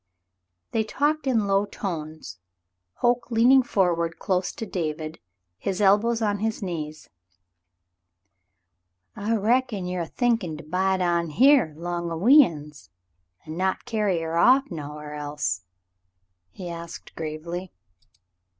They talked in low tones, Hoke leaning forward close to David, his elbows on his knees. '*I reckon you are a thinkin' to bide on here 'long o' we uns an' not carry her off nowhar else V^ he asked gravely.